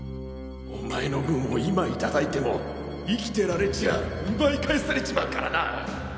お前の分を今頂いても生きてられちゃあ奪い返されちまうからな。